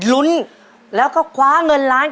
ลุ้นแล้วก็คว้าเงินล้าน